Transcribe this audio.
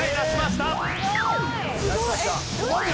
すごーい！